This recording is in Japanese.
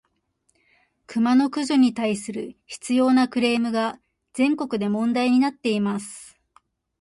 クマの駆除に対する執拗（しつよう）なクレームが、全国で問題になっています。